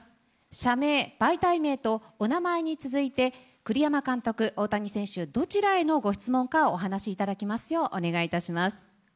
社名、媒体名と、お名前に続いて、栗山監督、大谷選手、どちらへのご質問かをお話いただきますようお願いいたします。